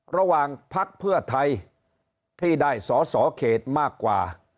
พักเพื่อไทยที่ได้สอสอเขตมากกว่า